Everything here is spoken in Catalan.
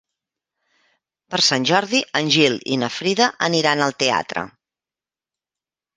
Per Sant Jordi en Gil i na Frida aniran al teatre.